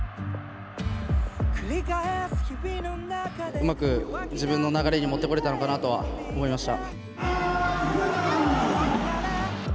うまく自分の流れに持ってこれたのかなとは思いました。